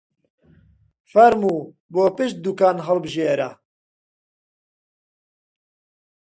فەرموو بۆ پشت دووکان هەڵبژێرە!